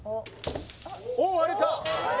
おおっ割れた！